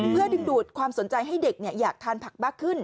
เพื่อดึงดูดความสนใจให้เด็กอยากทานผักมากขึ้น